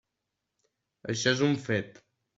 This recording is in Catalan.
Això és un fet.